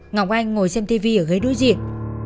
ngọc anh ngồi xem tivi ở ghế đối diện